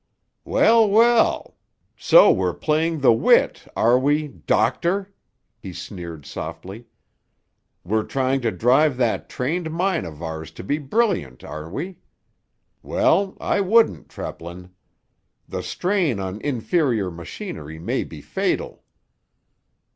"Well, well; so we're playing the wit, are we—doctor?" he sneered softly. "We're trying to drive that trained mind of ours to be brilliant, are we? Well, I wouldn't, Treplin; the strain on inferior machinery may be fatal."